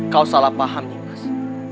kau salah paham nimas